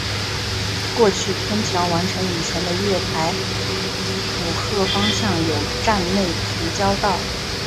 过去天桥完成以前的月台浦贺方向有站内平交道。